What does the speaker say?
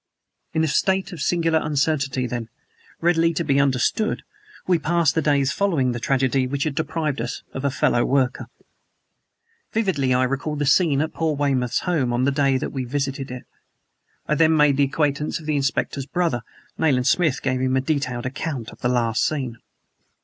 In a state of singular uncertainty, then, readily to be understood, we passed the days following the tragedy which had deprived us of our fellow worker. Vividly I recall the scene at poor Weymouth's home, on the day that we visited it. I then made the acquaintance of the Inspector's brother. Nayland Smith gave him a detailed account of the last scene.